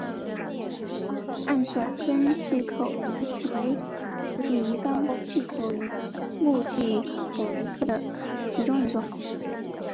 暗色真巨口鱼为辐鳍鱼纲巨口鱼目巨口鱼科的其中一种。